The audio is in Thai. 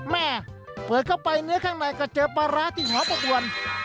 แม่เปิดเข้าไปเนื้อข้างในก็เจอปลาร้าที่หอมประกวน